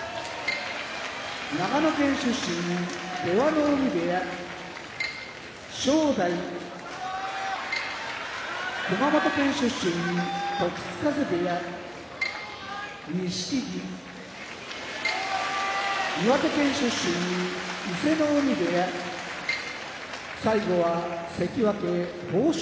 長野県出身出羽海部屋正代熊本県出身時津風部屋錦木岩手県出身伊勢ノ海部屋関脇豊昇